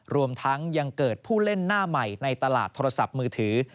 รวมทั้งยังเกิดผู้เล่นหน้าใหม่ในตลาดโทรศัพท์มือถือ